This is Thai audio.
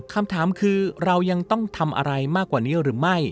คำถามคือเรายังต้องทำอะไรมากกว่านี้หรือไม่